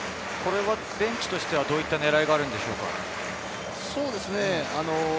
ベンチとしてはどういった狙いがあるのでしょうか。